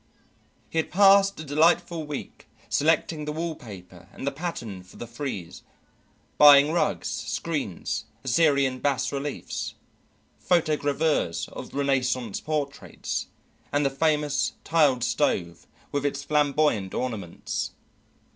He had passed a delightful week selecting the wall paper and the pattern for the frieze, buying rugs, screens, Assyrian bas reliefs, photogravures of Renaissance portraits, and the famous tiled stove with its flamboyant ornaments.